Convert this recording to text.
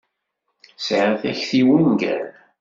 Sεiɣ takti i wungal.